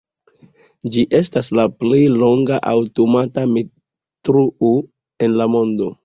Ĝi estas la plej longa aŭtomata metroo en la mondo.